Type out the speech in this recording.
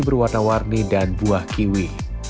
berwarna warni dan buah kiwi